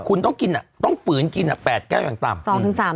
คุณต้องกินต้องฝืนกินแบบ๘แก้วอย่างต่ำ